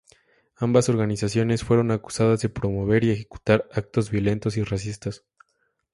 Ambas organizaciones fueron acusadas de promover y ejecutar actos violentos y racistas.